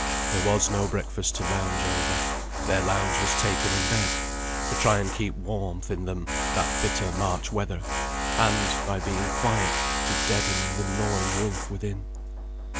There was no breakfast to lounge over; their lounge was taken in bed, to try and keep warmth in them that bitter March weather, and, by being quiet, to deaden the gnawing wolf within.